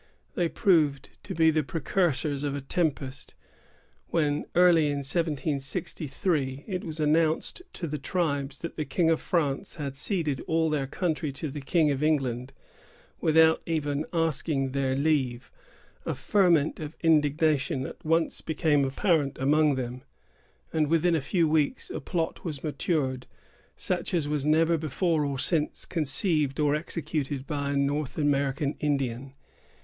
They proved to be the precursors of a tempest. When, early in 1763, it was announced to the tribes that the King of France had ceded all their country to the King of England, without even asking their leave, a ferment of indignation at once became apparent among them; and, within a few weeks, a plot was matured, such as was never, before or since, conceived or executed by a North American Indian.